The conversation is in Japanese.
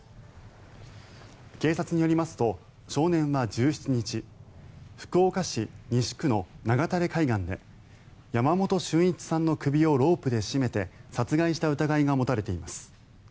警察によりますと、少年は１７日福岡市西区の長垂海岸で山本駿一さんの首をロープで絞めて殺害した疑いが持たれています。